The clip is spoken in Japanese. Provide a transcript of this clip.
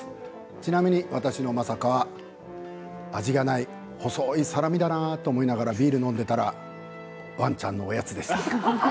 ちなみに私の、まさかは味がない細いサラミだなと思いながらビールを飲んでいたらワンちゃんのおやつでした。